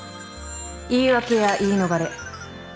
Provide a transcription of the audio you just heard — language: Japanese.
言い訳や言い逃れ。